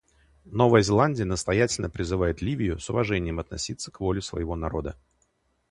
Новая Зеландия настоятельно призывает Ливию с уважением относиться к воле своего народа.